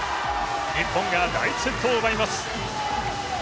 日本が第１セットを奪います。